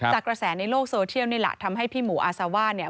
กระแสในโลกโซเทียลนี่แหละทำให้พี่หมูอาซาว่าเนี่ย